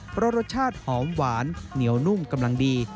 เพราะรสชาติหอมหวานเหนียวนุ่มกำลังดี